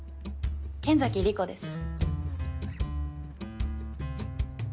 剣崎莉子です。